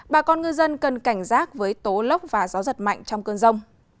bà con ngư dân cần cảnh giác với tố lốc và gió giật mạnh trong cơn rông